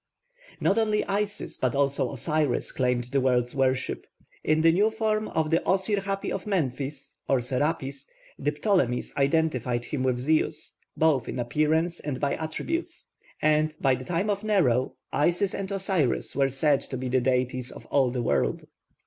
Not only Isis but also Osiris claimed the world's worship. In the new form of the Osir hapi of Memphis, or Serapis, the Ptolemies identified him with Zeus, both in appearance and by attributes. And, by the time of Nero, Isis and Osiris were said to be the deities of all the world.